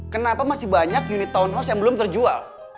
kenapa masih banyak unit townhouse yang belum terjual